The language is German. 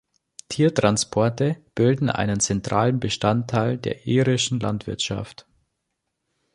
Tiertransporte bilden einen zentralen Bestandteil der irischen Landwirtschaft.